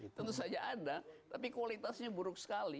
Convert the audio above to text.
tentu saja ada tapi kualitasnya buruk sekali